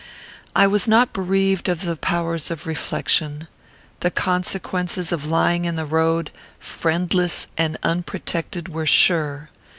I was not bereaved of the powers of reflection. The consequences of lying in the road, friendless and unprotected, were sure.